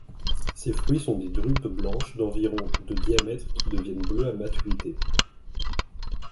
Ses fruits sont des drupes blanches d'environ de diamètre qui deviennent bleues à maturité.